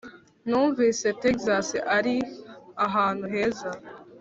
numvise texas ari ahantu heza.